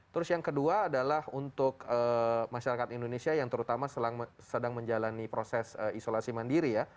terus yang kedua adalah untuk masyarakat indonesia yang terutama sedang menjalani proses isolasi mandiri ya